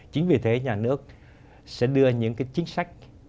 chính vì thế nhà nước sẽ đưa những cái chính sách